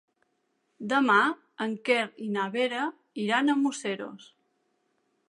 Demà en Quer i na Vera iran a Museros.